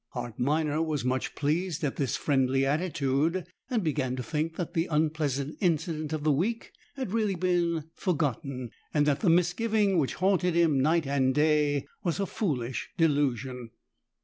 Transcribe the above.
Hart Minor was much pleased at this friendly attitude, and began to think that the unpleasant incident of the week had been really forgotten and that the misgiving which haunted him night and day was a foolish delusion.